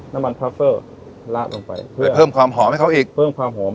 น้ำมันพาเฟอร์ละลงไปเพื่อเพิ่มความหอมให้เขาอีกเพิ่มความหอม